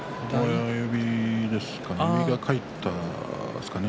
親指が返ったですかね？